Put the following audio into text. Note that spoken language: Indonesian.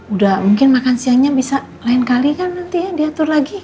udah mungkin makan siangnya bisa lain kali kan nanti ya diatur lagi